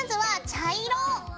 茶色。